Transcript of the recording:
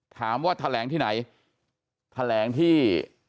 ถามว่าแถลงที่ไหนแถลงที่